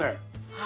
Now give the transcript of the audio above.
はい。